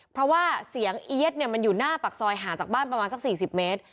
เพราะว่าเสียงเอี๊ยดมันอยู่หน้าปากซอยห่างจากบ้านประมาณสัก๔๐เมตร